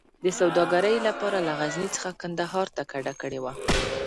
د سوداګرۍ لپاره له غزني څخه کندهار ته کډه کړې وه.